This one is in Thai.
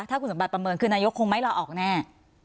ถ้าคุณสมบัติประเมินคือนายกคงไม่ลาออกแน่